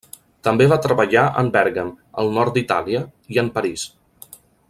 També va treballar en Bèrgam, al nord d'Itàlia, i en París.